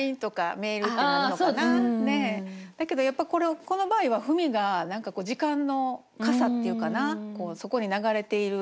だけどやっぱこの場合は「文」が何かこう時間のかさっていうかなそこに流れている。